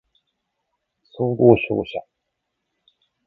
総合商社